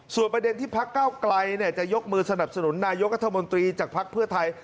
ส่วนประเด็นที่พักเก้าไกลจะยกมือสนับสนุนนายกรัฐมนตรีจากภักดิ์เพื่อไทย